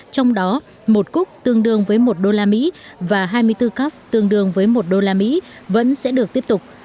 trong đó một cúc tương đương với một đô la mỹ và hai mươi bốn cắp tương đương với một đô la mỹ vẫn sẽ được tiếp tục